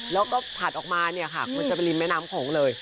อ๋อแล้วก็ผลัดออกมามันจะเป็นลิมแมน้ำโขงเลย